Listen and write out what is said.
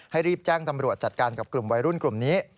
รีบแจ้งตำรวจจัดการกับกลุ่มวัยรุ่นกลุ่มนี้